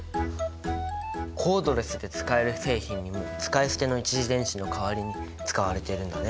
コードレスで使える製品にも使い捨ての一次電池の代わりに使われているんだね。